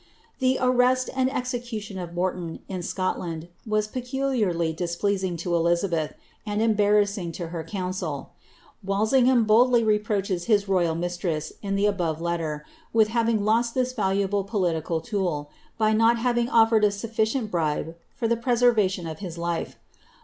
The arrest and execution of Morton, in Scollau'd, was pceuliarly dis pleasing to Elizabeth, and embarrassing to her council. U'alsingbBin boltUy reproaches hia royal mistress, in the above Idler, wiih having lost this valuable political tool, by not having olfered a suHicient brilw for the preservation of his life.